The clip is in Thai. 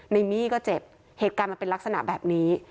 ในมี่ก็เจ็บเหตุการณ์มันเป็นลักษณะแบบนี้